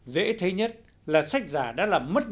dễ thấy nhất là sách giả đã làm mất đi sách giả